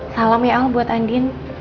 salam ya al buat andin